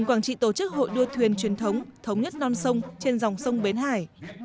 quảng trị tổ chức hội đua thuyền truyền thống thống nhất non sông trên dòng sông bến hải